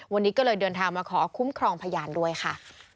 วันนี้ก็เลยเดินทางมาขอคุ้มครองพยานด้วยค่ะ